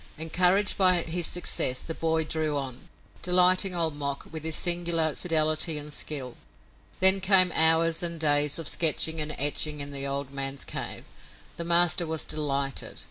Encouraged by his success, the boy drew on, delighting Old Mok with his singular fidelity and skill. Then came hours and days of sketching and etching in the old man's cave. The master was delighted.